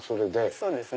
そうです。